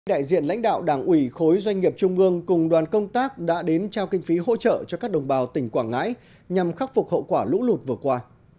đại diện lãnh đạo đảng ủy khối doanh nghiệp trung ương cùng đoàn công tác đã đến trao kinh phí hỗ trợ cho các đồng bào tỉnh quảng ngãi nhằm khắc phục hậu quả lũ lụt vừa qua